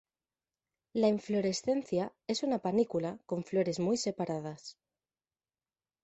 La inflorescencia es una panícula con flores muy separadas.